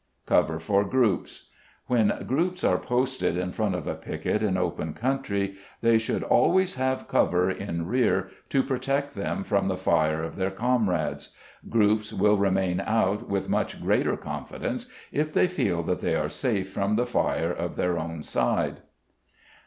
Cover for Groups. When groups are posted in front of a piquet in open country, they should always have cover in rear to protect them from the fire of their comrades. Groups will remain out with much greater confidence if they feel that they are safe from the fire of their own side.